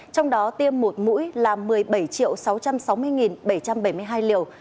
trong đó tiêm một mũi là một mươi bảy sáu trăm sáu mươi bảy trăm bảy mươi hai liều